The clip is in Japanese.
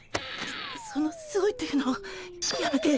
うそのすごいというのやめて。